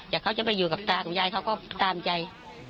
แต่เขาจะไปอยู่กับตาของยายเขาก็ตามใจ